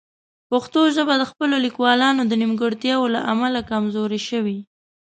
پښتو ژبه د خپلو لیکوالانو د نیمګړتیاوو له امله کمزورې شوې.